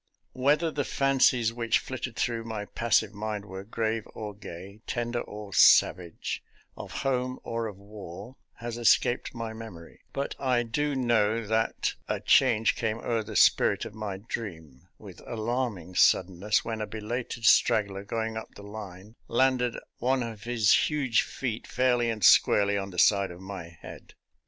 Whether the fancies which flitted through my passive mind were grave or gay, tender or savage, of home or of war, has es caped my memory ; but I do know that " a change came o'er the spirit of my dream " with alarming suddenness when a belated straggler going up the line landed one of his huge feet fairly and squarely on the side of my head.